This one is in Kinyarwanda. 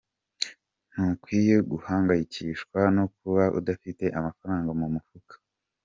Ntukwiye guhangayikishwa no kuba udafite amafaranga mu mufuka.